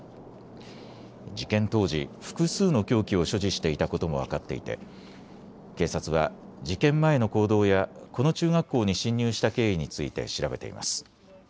事件当時、複数の凶器を所持していたことも分かっていて警察は事件前の行動やこの中学校に侵入した経緯について調べています。